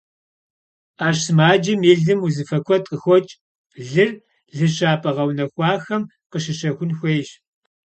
Ӏэщ сымаджэм и лым узыфэ куэд къыхокӏ, лыр лыщапӏэ гъэунэхуахэм къыщыщэхун хуейщ.